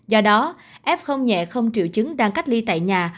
do đó f không nhẹ không triệu chứng đang cách ly tại nhà